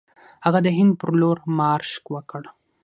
هغه د هند پر لور مارش وکړ.